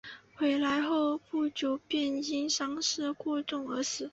回来后不久便因伤势过重而死。